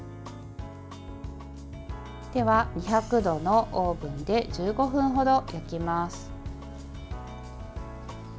では、２００度のオーブンで１５分ほど焼きます。